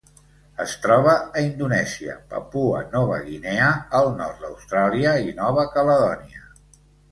Es troba a Indonèsia, Papua Nova Guinea, el nord d'Austràlia i Nova Caledònia.